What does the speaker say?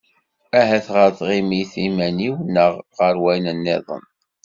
Ahat ɣer tɣimit iman-iw neɣ ɣer wayen-nniḍen.